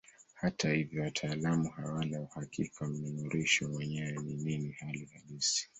Hata hivyo wataalamu hawana uhakika mnururisho mwenyewe ni nini hali halisi.